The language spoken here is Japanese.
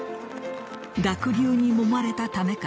濁流にもまれたためか